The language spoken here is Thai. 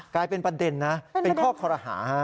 กลายเป็นประเด็นนะเป็นข้อคอรหา